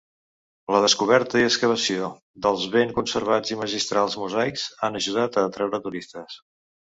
La descoberta i excavació dels ben conservats i magistrals mosaics han ajudat a atraure turistes.